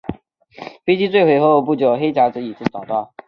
飞机坠毁后不久黑匣子已经找到。